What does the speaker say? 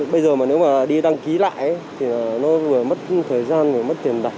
bây giờ mà nếu mà đi đăng ký lại thì nó vừa mất thời gian vừa mất tiền đặt